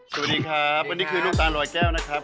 สวัสดีครับวันนี้คือลูกตาลอยแก้วนะครับ